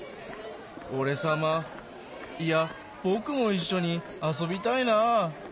おれさまいやぼくもいっしょにあそびたいなあ。